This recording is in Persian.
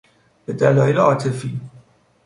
به دلایل عاطفی